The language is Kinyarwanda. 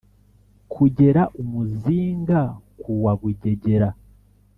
“Kugera umuzinga ku wa Bugegera”